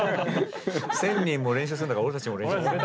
１，０００人も練習するんだから俺たちも練習する。